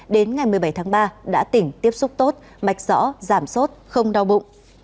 đến ngày một mươi bảy tháng ba đã tỉnh tiếp xúc tốt mạch rõ giảm sốt không đau bụng